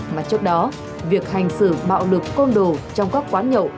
mà trước đó việc hành xử bạo lực côn đồ trong các quán nhậu